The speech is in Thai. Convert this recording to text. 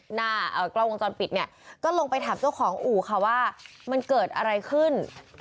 หน้ากล้องวงจรปิดเนี่ยก็ลงไปถามเจ้าของอู่ค่ะว่ามันเกิดอะไรขึ้น